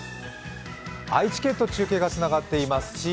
愛知県と中継がつながっています。